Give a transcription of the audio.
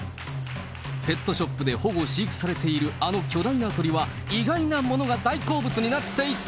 ペットショップで保護、飼育されているあの巨大な鳥は、意外なものが大好物になっていた。